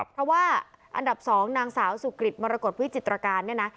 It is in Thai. เพราะว่าอันดับ๒นางสาวสุกริจมรกฏวิจิตรการเนี่ยนะ